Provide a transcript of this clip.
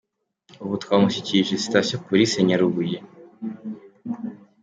Ubu twamushyikirije Sitasiyo Polisi ya Nyarubuye.